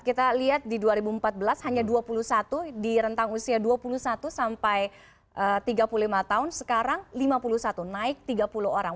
kita lihat di dua ribu empat belas hanya dua puluh satu di rentang usia dua puluh satu sampai tiga puluh lima tahun sekarang lima puluh satu naik tiga puluh orang